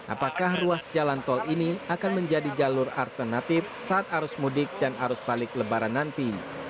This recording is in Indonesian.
apakah ruas jalan tol ini akan menjadi jalur alternatif saat arus mudik dan arus balik lebaran nanti